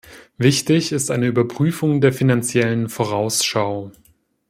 Wichtig ist eine Überprüfung der Finanziellen Vorausschau.